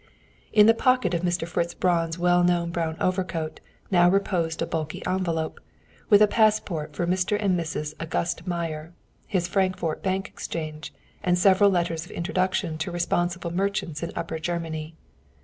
In the pocket of Mr. Fritz Braun's well known brown overcoat now reposed a bulky envelope, with a passport for Mr. and Mrs. August Meyer, his Frankfort bank exchange, and several letters of introduction to responsible merchants in Upper Germany.